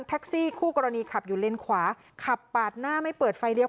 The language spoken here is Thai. คู่กรณีขับอยู่เลนขวาขับปาดหน้าไม่เปิดไฟเลี้ย